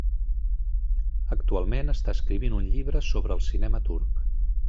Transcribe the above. Actualment està escrivint un llibre sobre el cinema turc.